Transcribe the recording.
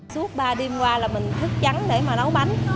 suốt ba đêm qua là mình thức trắng để mà nấu bánh